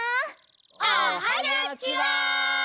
おはにゃちは！